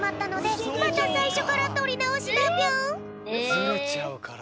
ずれちゃうからだ。